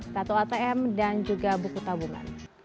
satu atm dan juga buku tabungan